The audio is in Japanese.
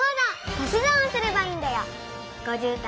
足し算をすればいいんだよ。